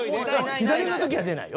左の時は出ないよ。